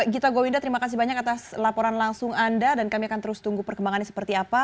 gita gowinda terima kasih banyak atas laporan langsung anda dan kami akan terus tunggu perkembangannya seperti apa